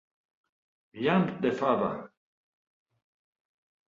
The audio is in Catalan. Llamp de fava!